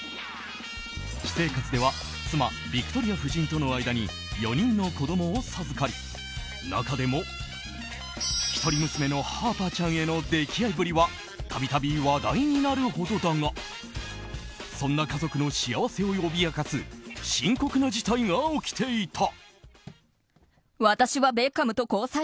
私生活では妻ビクトリア夫人との間に４人の子供を授かり中でも一人娘へのハーパーちゃんへの溺愛ぶりは度々、話題になるほどだがそんな家族の幸せを脅かす深刻な事態が起きていた。